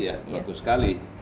ini bagus sekali ya